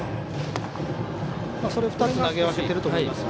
それを２つ投げ分けていると思います。